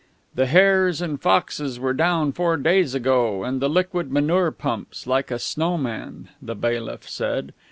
"The hares and foxes were down four days ago, and the liquid manure pumps like a snow man," the bailiff said....